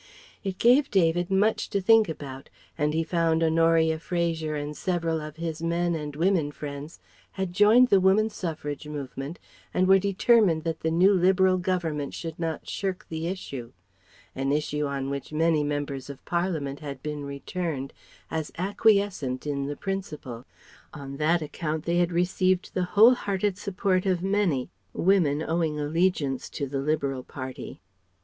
It gave David much to think about, and he found Honoria Fraser and several of his men and women friends had joined the Woman Suffrage movement and were determined that the new Liberal Government should not shirk the issue; an issue on which many members of Parliament had been returned as acquiescent in the principle. On that account they had received the whole hearted support of many, women owing allegiance to the Liberal Party.